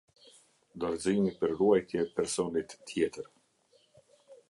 Dorëzimi për ruajtje personit tjetër.